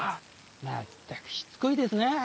まったくしつこいですなあ。